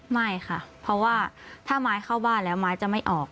ไม่ค่ะเพราะว่าถ้าไม้เข้าบ้านแล้วไม้จะไม่ออก